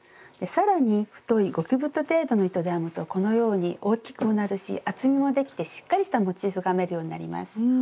更に太い極太程度の糸で編むとこのように大きくもなるし厚みもできてしっかりしたモチーフが編めるようになります。